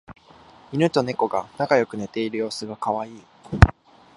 イヌとネコが仲良く寝ている様子がカワイイ